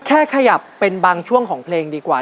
ขยับเป็นบางช่วงของเพลงดีกว่า